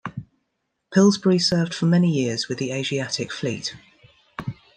"Pillsbury" served for many years with the Asiatic Fleet.